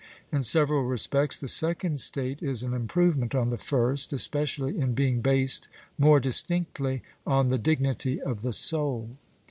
In several respects the second state is an improvement on the first, especially in being based more distinctly on the dignity of the soul.